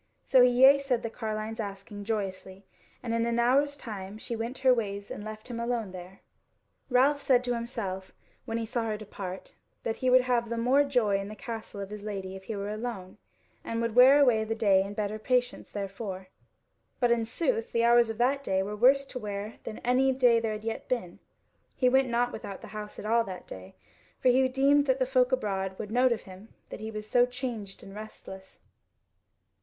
So he yea said the carline's asking joyously, and in an hour's time she went her ways and left him alone there. Ralph said to himself, when he saw her depart, that he would have the more joy in the castle of his Lady if he were alone, and would wear away the day in better patience therefor. But in sooth the hours of that day were worse to wear than any day there had yet been. He went not without the house at all that day, for he deemed that the folk abroad would note of him that he was so changed and restless.